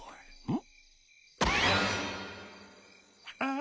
ん？